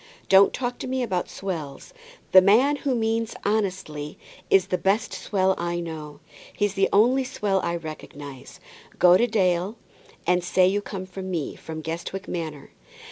Don't talk to me about swells. The man who means honestly is the best swell I know. He's the only swell I recognize. Go to old Dale, and say you come from me, from Guestwick Manor.